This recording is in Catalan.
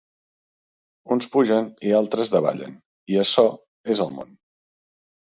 Uns pugen i altres davallen, i açò és el món.